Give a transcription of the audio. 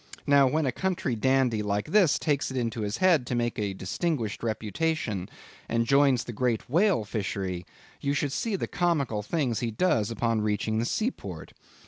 Now when a country dandy like this takes it into his head to make a distinguished reputation, and joins the great whale fishery, you should see the comical things he does upon reaching the seaport.